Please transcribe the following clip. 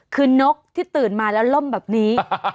คือนกที่ตื่นมาแล้วล่มแบบนี้